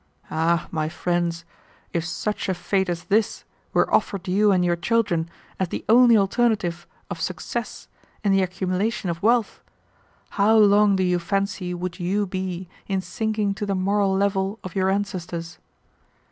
"Ah, my friends, if such a fate as this were offered you and your children as the only alternative of success in the accumulation of wealth, how long do you fancy would you be in sinking to the moral level of your ancestors?